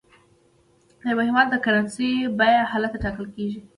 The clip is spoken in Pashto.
د یو هېواد د کرنسۍ بیه هلته ټاکل کېږي.